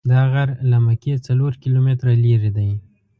دا غر له مکې څلور کیلومتره لرې دی.